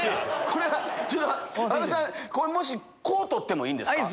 これこう捕ってもいいんですか？